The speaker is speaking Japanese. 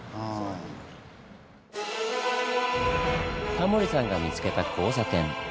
タモリさんが見つけた交差点。